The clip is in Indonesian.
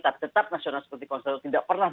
tapi tetap national security council itu tidak pernah